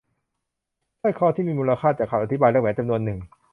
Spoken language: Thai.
สร้อยคอที่มีมูลค่า จากคำอธิบายและแหวนจำนวนหนึ่ง